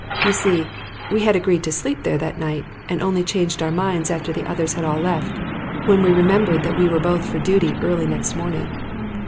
You see, we had agreed to sleep there that night, and only changed our minds after the others had all left, when we remembered that we were both for duty early next morning.